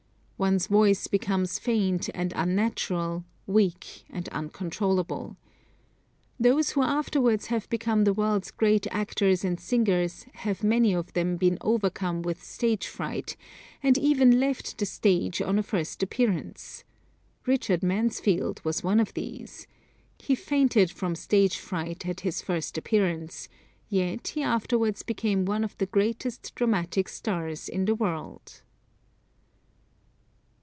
One's voice becomes faint and unnatural, weak and uncontrollable. Those who afterwards have become the world's great actors and singers have many of them been overcome with stage fright, and even left the stage on a first appearance. Richard Mansfield was one of these. He fainted from stage fright at his first appearance, yet he afterwards became one of the greatest dramatic stars in the world.